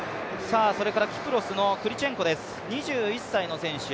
それからキプロスのクリチェンコです、２１歳の選手。